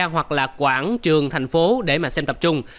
hoặc là quảng trường thành phố để mà xin tập trung